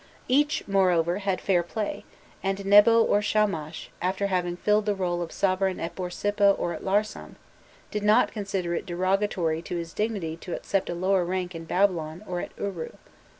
Each, moreover, had fair play, and Nebo or Shamash, after having filled the role of sovereign at Borsippa or at Larsam, did not consider it derogatory to his dignity to accept a lower rank in Babylon or at Uru.